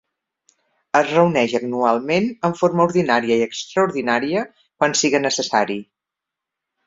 Es reuneix anualment en forma ordinària i extraordinària quan siga necessari.